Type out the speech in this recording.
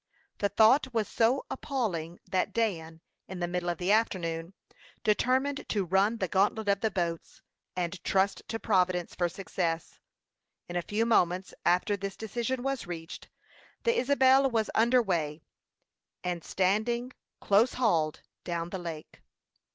The thought was so appalling that Dan, in the middle of the afternoon, determined to run the gantlet of the boats, and trust to Providence for success. In a few moments after this decision was reached, the Isabel was under way, and standing, close hauled, down the lake.